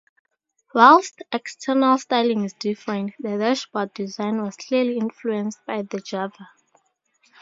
Whilst external styling is different, the dashboard design was clearly influenced by the Java.